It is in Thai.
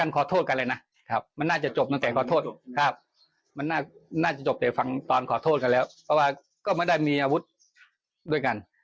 ขอโทษกันแล้วเพราะว่าก็ไม่ได้มีอาวุธด้วยกัน